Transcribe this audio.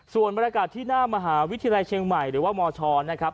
ส่วนบรรยากาศที่หน้ามหาวิทยาลัยเชียงใหม่หรือว่ามชนะครับ